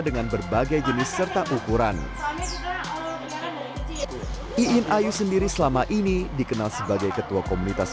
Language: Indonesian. dengan berbagai jenis serta ukuran iin ayu sendiri selama ini dikenal sebagai ketua komunitas